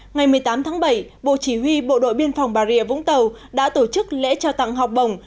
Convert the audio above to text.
ngày một mươi tám tháng bảy bộ chỉ huy bộ đội biên phòng bà rịa vũng tàu đã tổ chức lễ trao tặng học bổng